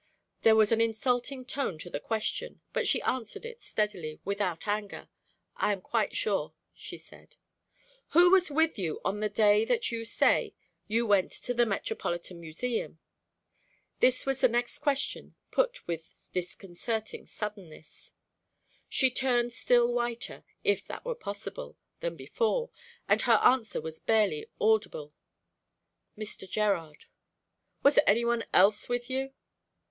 There was an insulting tone to the question, but she answered it steadily, without anger. "I am quite sure," she said. "Who was with you on the day that you say you went to the Metropolitan Museum?" This was the next question, put with disconcerting suddenness. She turned still whiter, if that were possible, than before, and her answer was barely audible. "Mr. Gerard." "Was any one else with you?"